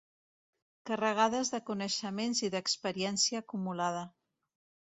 Carregades de coneixements i d'experiència acumulada.